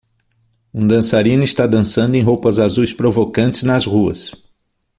Um dançarino está dançando em roupas azuis provocantes nas ruas